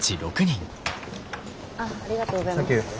ありがとうございます。